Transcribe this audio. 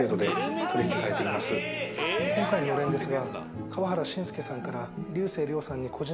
今回のれんですが。